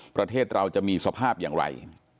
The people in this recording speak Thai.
ประเทศเราจะมีสภาพอย่างไร